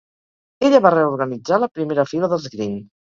Ella va reorganitzar la primera fila dels Green.